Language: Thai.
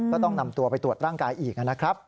ก็ต้องนำตัวไปตรวจร่างกายอีกนะครับ